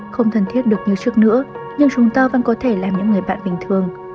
không thân thiết được như trước nữa nhưng chúng ta vẫn có thể làm những người bạn bình thường